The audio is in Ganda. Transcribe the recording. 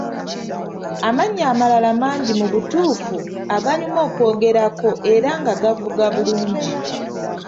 Amanya amalala mangi mu butuufu aganyuma okwogerako era nga gavuga bulungi.